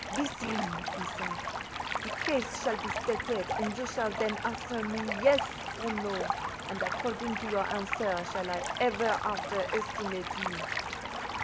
"Listen!" he said. "The case shall be stated, and you shall then answer me Yes, or No; and according to your answer shall I ever after estimate you."